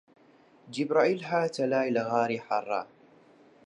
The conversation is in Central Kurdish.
جیبریل هاتە لای لە غاری حەرا